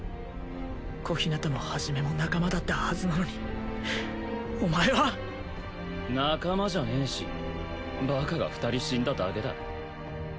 小日向も一も仲間だったはずなのにお前は仲間じゃねえしバカが２人死んだだけだ